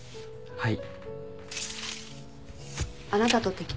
はい。